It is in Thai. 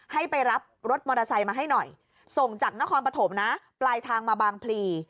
ให้ไปรับรถมอเตอร์ไซค์มาให้หน่อยส่งจากนครปฐมนะปลายทางมาบางพลี